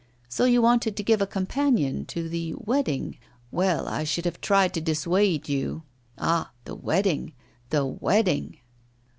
'So you wanted to give a companion to the "Wedding"? Well, I should have tried to dissuade you! Ah! the "Wedding"! the "Wedding"!